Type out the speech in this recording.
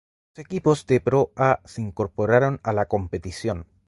Los equipos de Pro A se incorporaron a la competición.